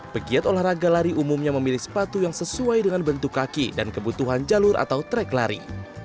pegiat olahraga lari umumnya memilih sepatu yang sesuai dengan bentuk kaki dan kebutuhan jalur atau track lari